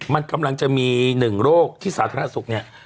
มันกำลังจะมีหนึ่งโรคที่สาธารณสุขเนี่ย